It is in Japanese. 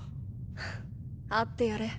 フッ会ってやれ。